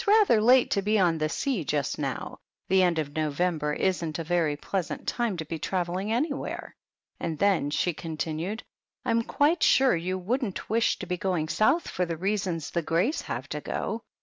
rather late to be on the sea just now; the end of November isn't a very pleasant time to be travelling anywhere. "And then," she continued, "I'm quite sure you wouldn't wish to be going South for the reason the Greys have to go.